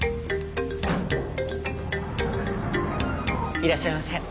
いらっしゃいませ。